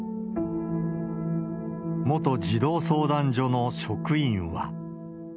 元児童相談所の職員は。